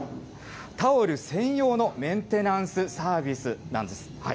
タオル専用のメンテナンスサービスなんです。